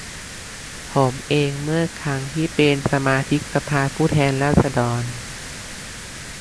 ผมเองเมื่อครั้งเป็นสมาชิกสภาผู้แทนราษฎร